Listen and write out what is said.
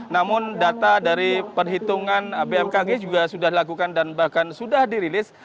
namun data dari perhitungan bmkg juga sudah dilakukan dan bahkan sudah dirilis